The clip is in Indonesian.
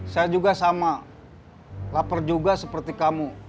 saya juga sama lapar juga seperti kamu